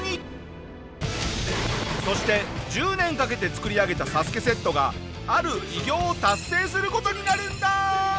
そして１０年かけて作り上げたＳＡＳＵＫＥセットがある偉業を達成する事になるんだ。